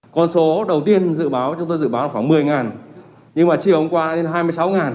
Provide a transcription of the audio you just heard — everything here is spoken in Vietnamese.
con số đầu tiên dự báo chúng tôi dự báo là khoảng một mươi nhưng mà chiều hôm qua lên hai mươi sáu